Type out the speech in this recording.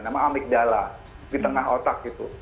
nama amigdala di tengah otak gitu